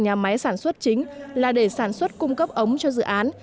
nhà máy sản xuất chính là để sản xuất cung cấp ống cho dự án